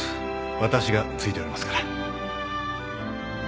わたしがついておりますから。